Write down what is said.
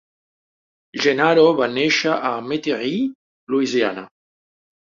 Gennaro va néixer a Metairie, Lousiana.